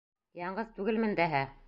— Яңғыҙ түгелмен дәһә.